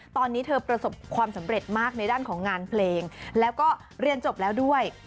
ตอนนี้เธอประสบความสำเร็จมากในด้านของงานเพลงแล้วก็เรียนจบแล้วด้วย